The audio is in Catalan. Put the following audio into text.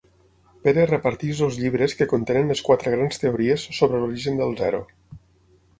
Pere reparteix els llibres que contenen les quatre grans teories sobre l'origen del zero.